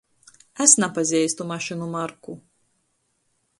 Es napazeistu mašynu marku.